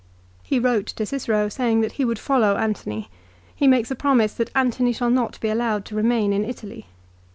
He wrote to Cicero saying that he would follow Antony. He makes a promise that Antony shall not be allowed to remain in Italy.